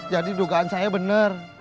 jadi dugaan saya bener